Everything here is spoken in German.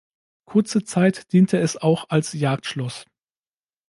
Kurze Zeit diente es auch als Jagdschloss.